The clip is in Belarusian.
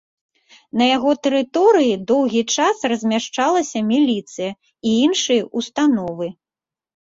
На яго тэрыторыі доўгі час размяшчалася міліцыя і іншыя ўстановы.